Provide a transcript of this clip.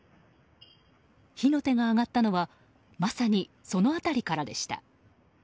火の手が上がったのはまさにその辺りからでした。